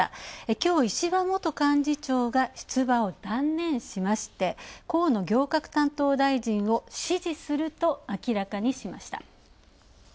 きょう石破元幹事長が出馬を断念しまして河野行革担当大臣を支持すると明らかにしました。